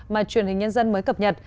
mà truyền hình nhân dân mới cập nhật